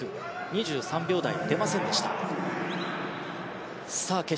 ２３秒台は出ませんでした。